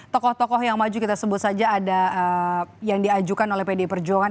tokoh tokoh yang maju kita sebut saja ada yang diajukan oleh pd perjuangan